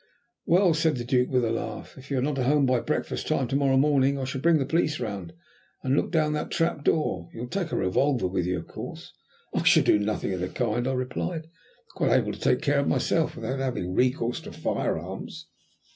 "Well," said the Duke with a laugh, "if you are not home by breakfast time to morrow morning I shall bring the police round, and look down that trap door. You'll take a revolver with you of course?" "I shall do nothing of the kind," I replied. "I am quite able to take care of myself without having recourse to fire arms."